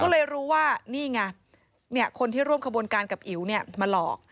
ก็เลยรู้ว่านี่ไงคนที่ร่วมขบวนการกับอิ๋วมาหลอก